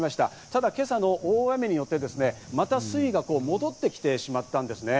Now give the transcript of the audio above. ただ今朝の大雨によって、また水位が戻ってきてしまったんですね。